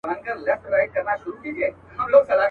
ددې خاوري هزاره ترکمن زما دی.